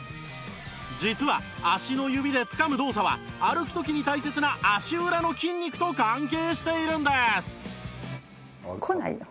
実は足の指でつかむ動作は歩く時に大切な足裏の筋肉と関係しているんです